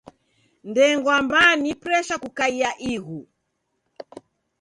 Ndengwa mbaa ni presha kukaia ighu.